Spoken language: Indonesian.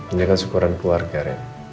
ini kan syukuran keluarga ren